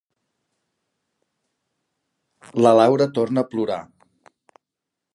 La Laura torna a plorar.